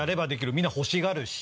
みんな欲しがるし。